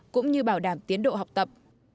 cũng như bảo đảm tiến độ học tập